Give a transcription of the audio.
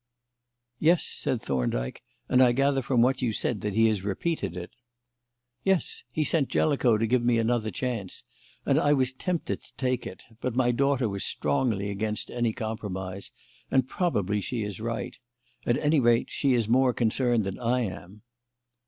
"Yes," said Thorndyke; "and I gather from what you say that he has repeated it." "Yes. He sent Jellicoe to give me another chance, and I was tempted to take it; but my daughter was strongly against any compromise, and probably she is right. At any rate, she is more concerned than I am."